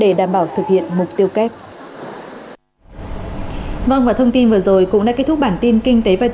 để đảm bảo thực hiện mục tiêu kép